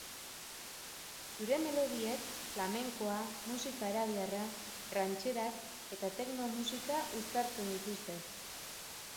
Zure melodiek flamenkoa, musika arabiarra, rantxerak eta tekno musika uztartzen dituzte.